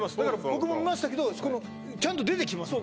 僕も見ましたけどこのちゃんと出てきますもんね